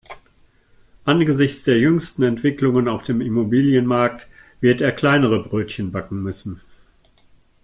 Angesichts der jüngsten Entwicklungen auf dem Immobilienmarkt wird er kleinere Brötchen backen müssen.